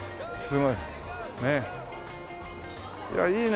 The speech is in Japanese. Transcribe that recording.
いやいいね。